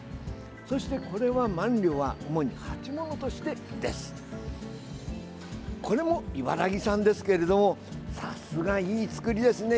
そしてこれは、万両は主に鉢物としてです。これも茨城産ですけれどもさすが、いい作りですね。